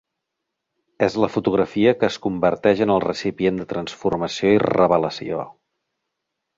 És la fotografia que es converteix en el recipient de transformació i revelació.